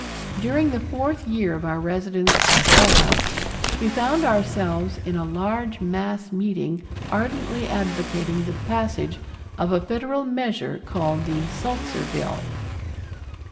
During the fourth year of our residence at Hull House we found ourselves in a large mass meeting ardently advocating the passage of a Federal measure called the Sulzer Bill.